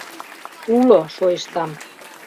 — Уло, — шойыштам.